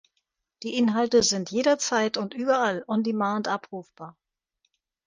Die Inhalte sind jederzeit und überall on demand abrufbar.